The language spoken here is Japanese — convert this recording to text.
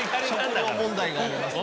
食料問題がありますので。